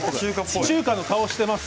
中華の顔してます。